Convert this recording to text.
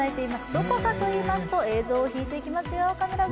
どこかと言いますと、映像を引いていきますよ。